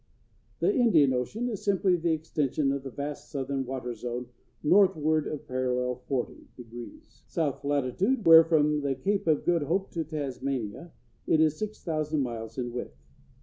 The Indian Ocean is simply the extension of the vast southern water zone northward of parallel 40°, south latitude, where, from the Cape of Good Hope to Tasmania, it is six thousand miles in width.